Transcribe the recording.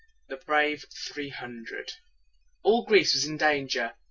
THE BRAVE THREE HUNDRED. All Greece was in danger.